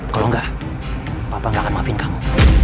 kalau enggak papa nggak akan maafin kamu